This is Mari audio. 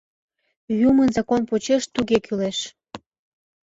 — Юмын закон почеш туге кӱлеш.